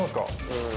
うん。